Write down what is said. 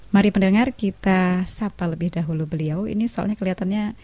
mari berjalan ke sion